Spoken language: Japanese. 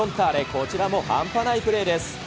こちらも半端ないプレーです。